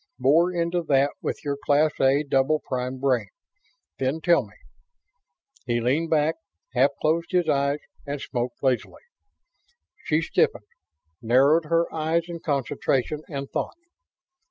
Bore into that with your Class A Double Prime brain. Then tell me." He leaned back, half closed his eyes and smoked lazily. She stiffened; narrowed her eyes in concentration; and thought.